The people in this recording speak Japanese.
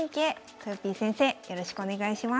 とよぴー先生よろしくお願いします。